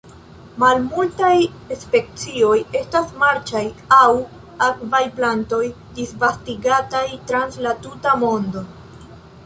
Malmultaj specioj estas marĉaj aŭ akvaj plantoj disvastigataj trans la tuta mondo.